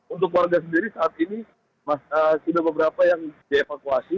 untuk warga sendiri saat ini sudah beberapa yang dievakuasi